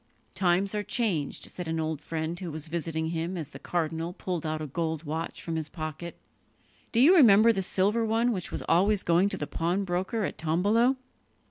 "Times are changed," said an old friend who was visiting him, as the cardinal pulled out a gold watch from his pocket. "Do you remember the silver one which was always going to the pawnbroker at Tombolo?"